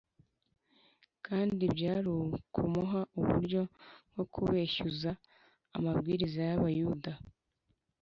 kandi byari kumuha uburyo bwo kubeshyuza amabwiriza y’Abayuda